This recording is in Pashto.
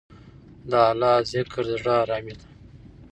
د اللهﷻ ذکر د زړه ارامي ده.